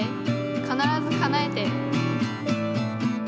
必ずかなえて。